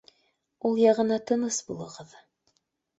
Ул яғына тыныс булығыҙ